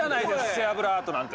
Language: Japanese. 背脂アートなんて。